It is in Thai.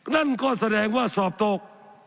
นั่นก็แสดงว่าสอบตก